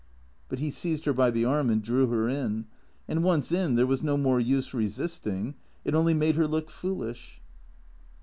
But he seized her by the arm and drew her in. And once in there was no more use resisting, it only made her look foolish.